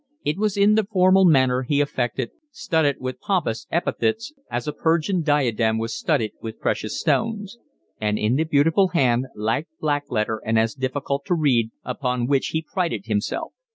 It was written in the formal manner he affected, studded with pompous epithets as a Persian diadem was studded with precious stones; and in the beautiful hand, like black letter and as difficult to read, upon which he prided himself.